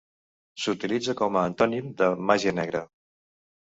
S'utilitza com a antònim de màgia negra.